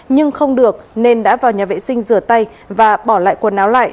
nhưng không được nên đã vào nhà vệ sinh rửa tay và bỏ lại quần áo lại